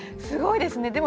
すごいですね。